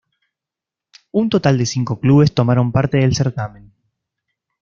Un total de cinco clubes tomaron parte del certamen.